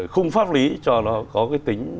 khung pháp lý cho nó có cái tính